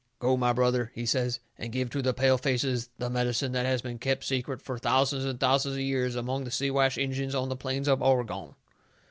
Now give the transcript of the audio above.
"Go, my brother," he says, "and give to the pale faces the medicine that has been kept secret fur thousands and thousands of years among the Siwash Injuns on the plains of Oregon."